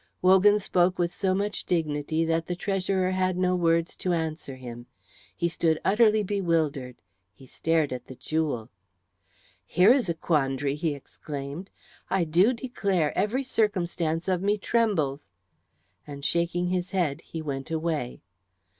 '" Wogan spoke with so much dignity that the treasurer had no words to answer him. He stood utterly bewildered; he stared at the jewel. "Here is a quandary!" he exclaimed. "I do declare every circumstance of me trembles," and shaking his head he went away.